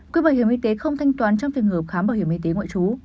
quỹ bảo hiểm y tế không thanh toán trong trường hợp khám bảo hiểm y tế ngoại trú